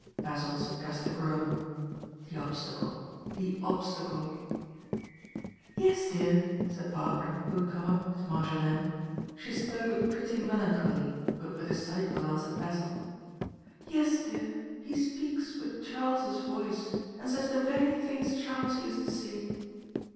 Basil suppressed a groan. The obstacle! The obstacle! "Yes, dear," said Barbara, who had come up with Marjolaine. She spoke with pretty melancholy, but with a side glance at Basil. "Yes, dear, he speaks with Charles's voice, and says the very things Charles used to say."